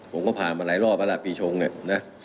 ผมก็ผ่านมาหลายรอบแล้วล่ะปีชงเนี่ยนะ